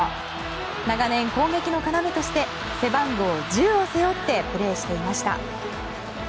長年、攻撃の要として背番号１０を背負ってプレーしていました。